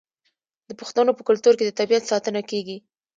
د پښتنو په کلتور کې د طبیعت ساتنه کیږي.